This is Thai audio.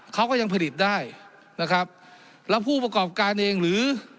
เขาก็ยังผลิตได้นะครับแล้วผู้ประกอบการเองหรือ